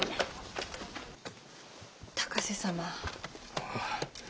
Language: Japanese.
高瀬様。